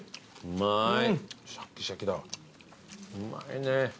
うまいね。